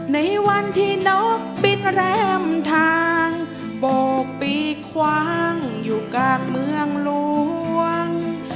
ในวันที่นกปิดแรมทางโบกปีคว้างอยู่กลางเมืองหลวง